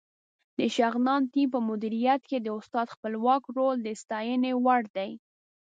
د شغنان ټیم په مدیریت کې د استاد خپلواک رول د ستاینې وړ دی.